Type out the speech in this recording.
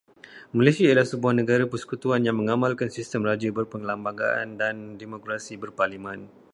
Malaysia ialah sebuah negara persekutuan yang mengamalkan sistem Raja Berperlembagaan dan Demokrasi Berparlimen.